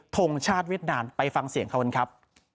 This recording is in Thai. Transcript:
ทงชาติเวียดนามไปฟังเสียงเขากันครับ